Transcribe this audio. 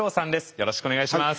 よろしくお願いします。